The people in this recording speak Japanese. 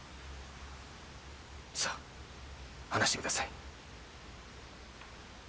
さあ話してください。